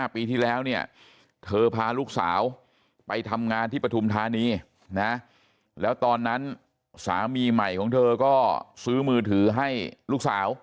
ปีที่แล้วเนี่ยเธอพาลูกสาวไปทำงานที่ปฐุมธานีนะแล้วตอนนั้นสามีใหม่ของเธอก็ซื้อมือถือให้ลูกสาว